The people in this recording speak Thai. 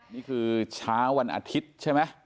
นี่คือเช้าวันอาทิตย์ใช่ไหม